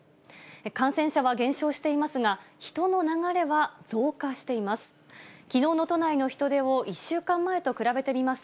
感染者は減少していますが、人の流れは増加しています。